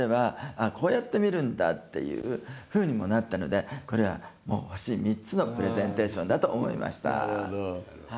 あこうやって見るんだっていうふうにもなったのでこれはもう星３つのプレゼンテーションだと思いました。